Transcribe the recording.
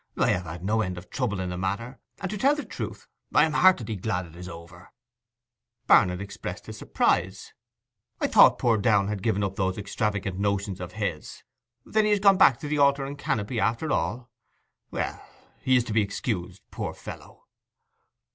'I have had no end of trouble in the matter, and, to tell the truth, I am heartily glad it is over.' Barnet expressed his surprise. 'I thought poor Downe had given up those extravagant notions of his? then he has gone back to the altar and canopy after all? Well, he is to be excused, poor fellow!